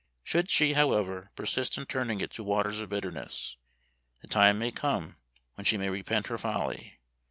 Should she, however, persist in turning it to waters of bitterness, the time may come when she may repent her folly.